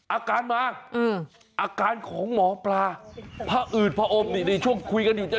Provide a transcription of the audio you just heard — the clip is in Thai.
อาการมาอาการของหมอปลาผอืดผอมนี่ในช่วงคุยกันอยู่จะ